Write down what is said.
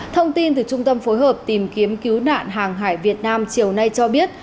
thông tin từ trung tâm phối hợp tìm kiếm cứu nạn hàng hải việt nam chiều nay cho biết